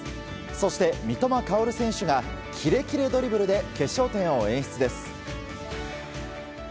そして、三笘薫選手がキレキレドリブルで決勝点を演出です。